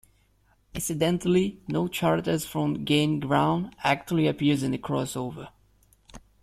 Incidentally, no characters from "Gain Ground" actually appear in the crossover.